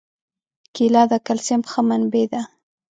کېله د کلسیم ښه منبع ده.